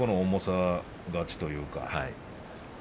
重さ勝ちというか。